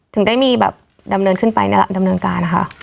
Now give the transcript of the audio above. ถึงได้มีแบบดำเนินขึ้นไปนั่นแหละดำเนินการนะคะ